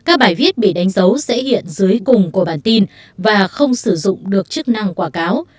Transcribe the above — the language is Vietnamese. các bài viết bị đánh dấu dễ hiện dưới cùng của bản tin và không sử dụng được chức năng quảng cáo